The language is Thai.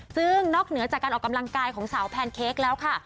ซึ่งนอกเหนือจากการออกกำลังกายของสาวแพนเค้กแล้วค่ะ